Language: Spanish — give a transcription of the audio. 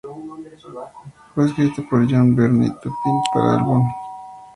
Fue escrita por John y Bernie Taupin para el álbum "Goodbye Yellow Brick Road".